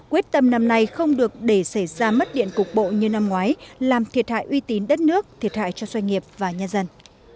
quyết tâm năm nay không được để xảy ra mất điện cục bộ như năm ngoái làm thiệt hại uy tín đất nước thiệt hại cho doanh nghiệp và nhà dân